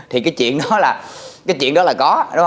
thì cái chuyện đó là có